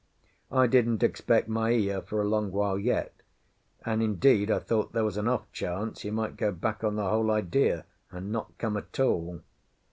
I didn't expect Maea for a long while yet; and, indeed, I thought there was an off chance he might go back on the whole idea and not come at all.